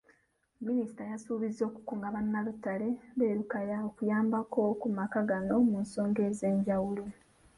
Minisita yasuubizza okukunga bannalotale b'e Lukaya, okuyambako ku maka gano musonga ez'ejawulo.